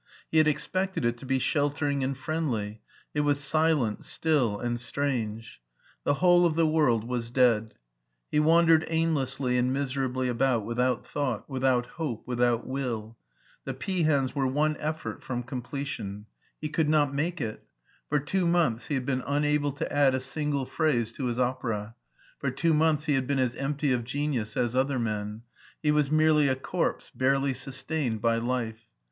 He had expected it to be sheltering and friendly : it was silent, still, and strange. The whole of the world was dead. He wandered aim lessly and miserably about without thought, without hope, without will. The peahens were one effort from 380 SCHWARZWALD a»i completion. He couM not make it. For two months he had been unable to add a single phrase to his opera; for two months he had been as empty of genius as other men ; he was merely a corpse, barely sustained by life.